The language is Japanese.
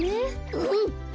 うん！